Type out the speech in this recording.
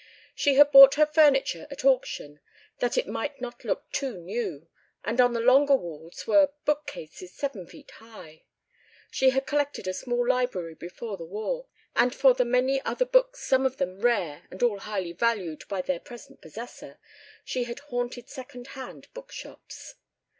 She had bought her furniture at auction that it might not look too new, and on the longer walls were bookcases seven feet high. She had collected a small library before the war; and for the many other books, some of them rare and all highly valued by their present possessor, she had haunted second hand bookshops.